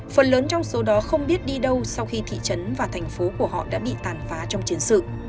phần lớn trong số đó không biết đi đâu sau khi thị trấn và thành phố của họ đã bị tàn phá trong chiến sự